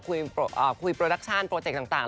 คุยโปรดักชั่นโปรเจกต์ต่าง